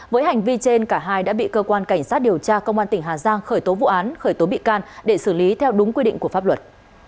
với hành vi trên cả hai đã bị cơ quan cảnh sát điều tra công an tỉnh hà giang khởi tố vụ án khởi tố bị can để xử lý theo đúng quy định của pháp luật